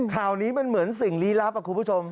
ข่าวนี้มันเหมือนสิ่งลี้ลับคุณผู้ชม